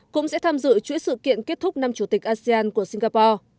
cũng sẽ tham dự chuỗi sự kiện kết thúc năm chủ tịch asean của singapore